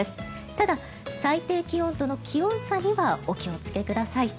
ただ、最低気温との気温差にはお気をつけください。